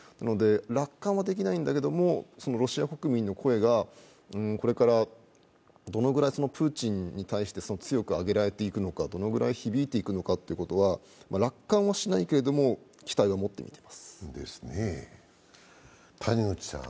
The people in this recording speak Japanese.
楽観はできないんだけれども、ロシア国民の声がこれからどのくらいプーチンに対して強く上げられていくのか、どのぐらい響いていくのかということは楽観はしないけれども期待を持って見ています。